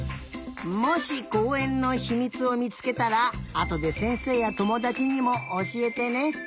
もしこうえんのひみつをみつけたらあとでせんせいやともだちにもおしえてね。